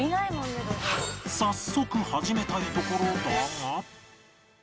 早速始めたいところだが